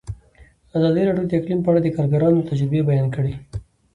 ازادي راډیو د اقلیم په اړه د کارګرانو تجربې بیان کړي.